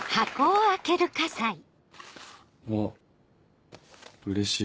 あっうれしい。